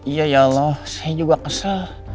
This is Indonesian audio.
iya ya allah saya juga kesal